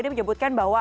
tadi menyebutkan bahwa